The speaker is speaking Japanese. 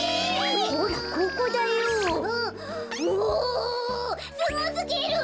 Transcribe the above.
おおすごすぎる！